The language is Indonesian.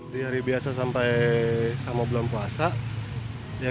di hari biasa sampai sama bulan puasa